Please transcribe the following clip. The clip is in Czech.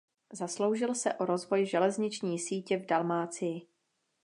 Zasloužil se o rozvoj železniční sítě v Dalmácii.